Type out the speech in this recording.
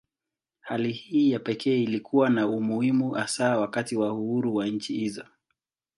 Hali hii ya pekee ilikuwa na umuhimu hasa wakati wa uhuru wa nchi hizo.